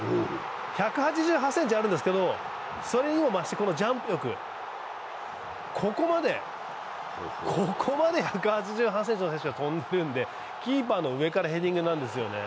１８８ｃｍあるんですけど、それにも増してこのジャンプ力、ここまで１８８ｃｍの選手が跳んでるんで、キーパーの上からヘディングなんですよね。